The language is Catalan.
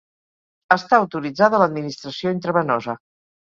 Està autoritzada l'administració intravenosa.